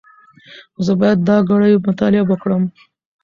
زه باید دا ګړې مطالعه کړم.